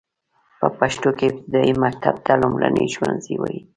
په پښتو کې ابتدايي مکتب ته لومړنی ښوونځی وايي.